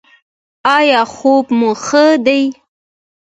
ایا خوب مو ښه دی؟